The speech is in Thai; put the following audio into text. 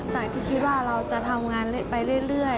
จากที่คิดว่าเราจะทำงานไปเรื่อย